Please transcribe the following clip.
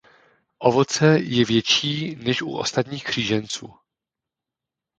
Ovoce je větší než u ostatních kříženců.